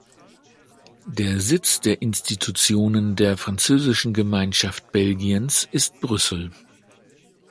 Der Sitz der Institutionen der Französischen Gemeinschaft Belgiens ist Brüssel.